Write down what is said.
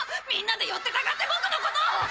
みんなで寄ってたかってボクのことを！